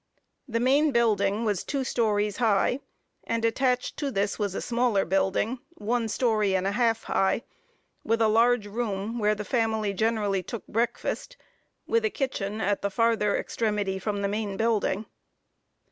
The main building was two stories high, and attached to this was a smaller building, one story and a half high, with a large room, where the family generally took breakfast, with a kitchen at the farther extremity from the main building.